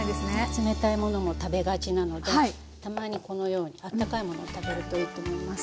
冷たいものも食べがちなのでたまにこのように温かいものを食べるといいと思います。